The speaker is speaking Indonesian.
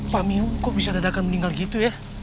pak mion kok bisa dadakan meninggal gitu ya